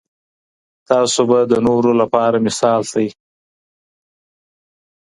تاسو به د نورو لپاره مثال سئ.